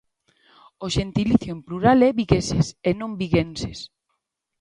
O xentilicio en plural é "vigueses" e non "viguenses".